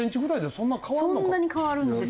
そんなに変わるんですか？